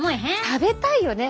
食べたいよね。